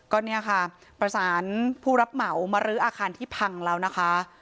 ก็เนี่ยค่ะประสานผู้รับเหมามารื้ออาคารที่พังแล้วนะคะ